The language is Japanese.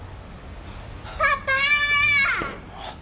パパ！